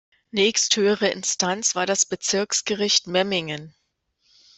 Nächsthöhere Instanz war das Bezirksgericht Memmingen.